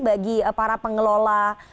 bagi para pengelola